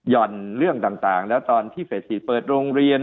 ่อนเรื่องต่างแล้วตอนที่เฟส๔เปิดโรงเรียน